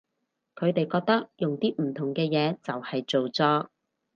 佢哋覺得用啲唔同嘅嘢就係造作